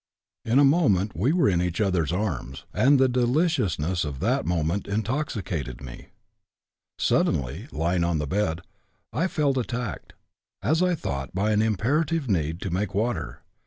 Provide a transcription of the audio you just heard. In a moment we were in each other's arms and the deliciousness of that moment intoxicated me. Suddenly, lying on the bed, I felt attacked, as I thought, by an imperative need to make water.